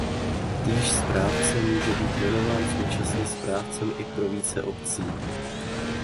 Týž správce může být jmenován současně správcem i pro více obcí..